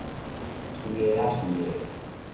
隨个仔隨个